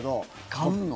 買うの？